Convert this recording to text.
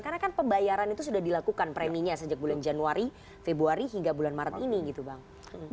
karena kan pembayaran itu sudah dilakukan preminya sejak bulan januari februari hingga bulan maret ini